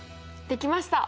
できました！